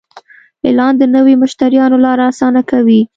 اعلان د نوي مشتریانو لاره اسانه کوي.